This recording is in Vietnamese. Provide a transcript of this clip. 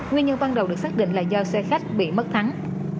nguyên nhân ban đầu được xác định là do xe khách bị mất thắng